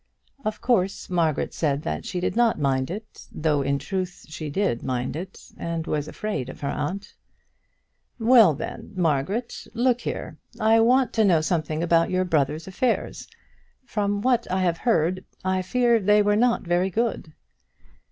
Of course Margaret said that she did not mind it, though in truth she did mind it, and was afraid of her aunt. "Well then, Margaret, look here. I want to know something about your brother's affairs. From what I have heard, I fear they were not very good."